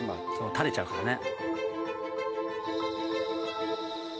垂れちゃうからね。